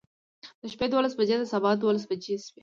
د شپې دولس بجې د سبا دولس بجې شوې.